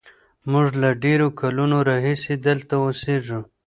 موږ له ډېرو کلونو راهیسې دلته اوسېږو.